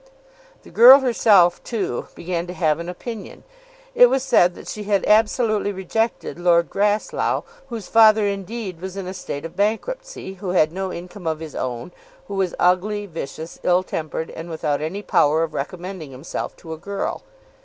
The girl herself, too, began to have an opinion. It was said that she had absolutely rejected Lord Grasslough, whose father indeed was in a state of bankruptcy, who had no income of his own, who was ugly, vicious, ill tempered, and without any power of recommending himself to a girl.